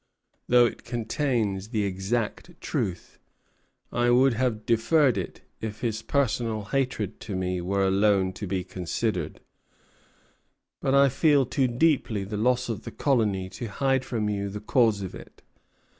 Though it contains the exact truth, I would have deferred it if his personal hatred to me were alone to be considered; but I feel too deeply the loss of the colony to hide from you the cause of it.